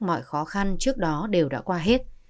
mọi khó khăn trước đó đều đã qua hết